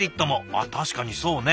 あっ確かにそうね。